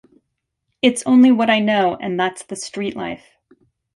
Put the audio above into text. It's only what I know and that's that street life.